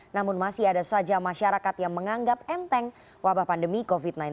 namun masih ada saja masyarakat yang menganggap enteng wabah pandemi covid sembilan belas